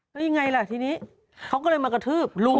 แล้วยังไงล่ะทีนี้เขาก็เลยมากระทืบลุง